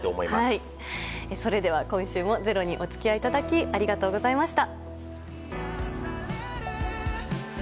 それでは今週も「ｚｅｒｏ」にお付き合いいただきありがとうございました。